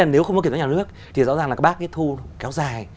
nếu không có kiểm tra nhà nước thì rõ ràng là các bác thu kéo dài